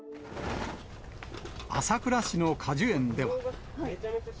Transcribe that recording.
朝倉市の果樹園では。